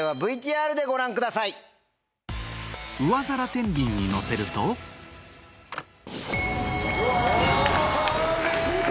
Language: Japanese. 上皿てんびんにのせるとお見事正解！